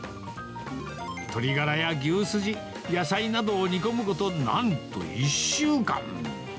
鶏ガラや牛すじ、野菜などを煮込むこと、なんと１週間。